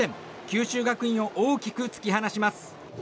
九州学院を大きく突き放します。